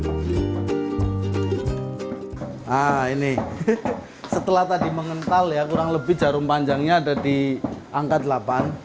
nah ini setelah tadi mengental ya kurang lebih jarum panjangnya ada di angka delapan